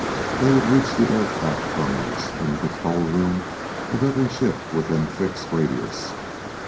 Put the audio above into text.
They would reach the aircraft terminals and the control room of every ship within a fixed radius.